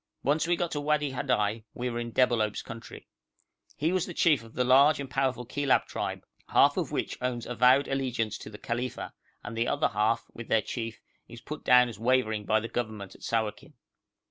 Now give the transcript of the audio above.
Once we got into Wadi Hadai we were in Debalohp's country. He was chief of the large and powerful Kilab tribe, half of which owns avowed allegiance to the Khalifa, and the other half, with their chief, is put down as wavering by the Government at Sawakin.